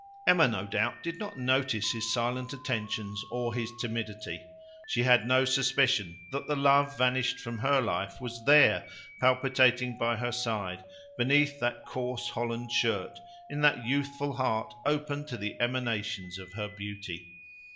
Emma, no doubt, did not notice his silent attentions or his timidity. She had no suspicion that the love vanished from her life was there, palpitating by her side, beneath that coarse holland shirt, in that youthful heart open to the emanations of her beauty.